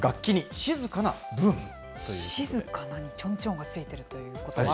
静かなにちょんちょんがついてるということは？